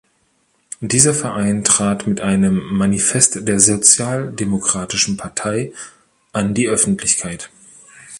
Dieser Verein trat mit einem „Manifest der sozialdemokratischen Partei“ an die Öffentlichkeit.